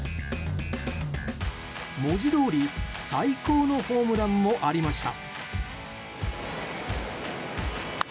文字どおり最高のホームランもありました。